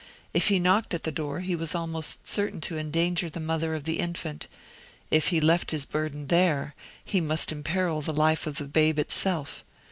If he knocked at the door he was almost certain to endanger the mother of the infant; and if he left his burthen there, he must imperil the life of the babe itself.